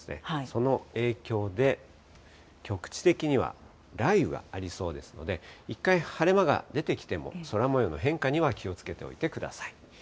その影響で局地的には雷雨がありそうですので、一回晴れ間が出てきても、空もようの変化には気をつけておいてください。